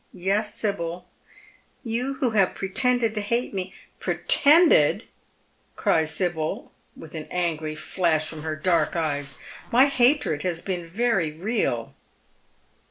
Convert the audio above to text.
Yes, Sibyl ; you who have pretended to hate me "" Pretended !" cries Sibyl, with an angry flash from her dark eyes. "My hatred has been very real."